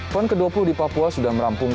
pon keduapu di papua